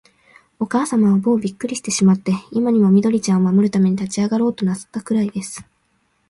おかあさまは、もうびっくりしてしまって、今にも、緑ちゃんを守るために立ちあがろうとなすったくらいです。